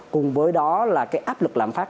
cùng với đó là cái áp lực lạm phát